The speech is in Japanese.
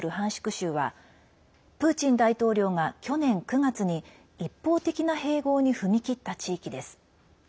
州はプーチン大統領が去年９月に一方的な併合に踏み切った地域です。